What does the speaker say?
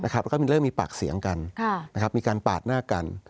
แล้วก็เริ่มมีปากเสียงกันมีการปาดหน้ากัน